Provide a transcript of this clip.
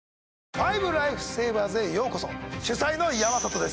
『５ライフセイバーズ』へようこそ主催の山里です。